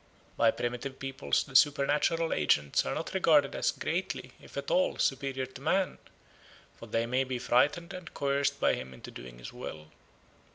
By primitive peoples the supernatural agents are not regarded as greatly, if at all, superior to man; for they may be frightened and coerced by him into doing his will.